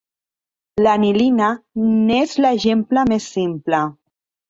L'anilina n'és l'exemple més simple.